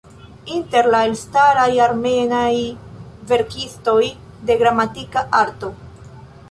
Inter la elstaraj armenaj verkistoj de "Gramatika Arto".